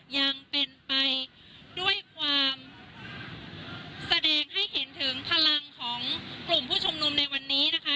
ยังเป็นไปด้วยความแสดงให้เห็นถึงพลังของกลุ่มผู้ชุมนุมในวันนี้นะคะ